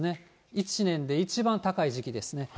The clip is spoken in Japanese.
１年で一番高い時期ですね。